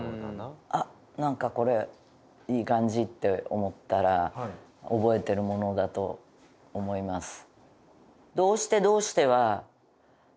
あっなんかこれいい感じって思ったら覚えてるものだと思います。